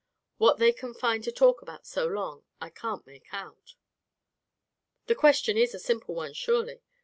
What they can find to talk about so long I can't make out. "The question is a simple one, surely.